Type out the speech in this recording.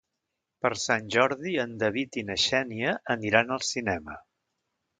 Per Sant Jordi en David i na Xènia aniran al cinema.